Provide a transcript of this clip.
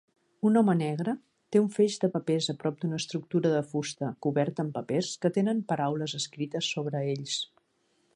Un home negre té un feix de papers a prop d'una estructura de fusta coberta amb papers que tenen paraules escrites sobre ells